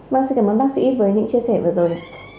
vâng xin cảm ơn bác sĩ với những chia sẻ vừa rồi